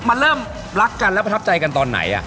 มาเริ่มรักกันแล้วประทับใจกันตอนไหน